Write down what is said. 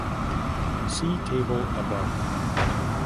See table above.